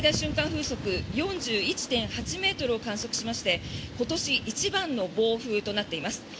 風速４１．８ｍを観測しまして今年一番の暴風となっています。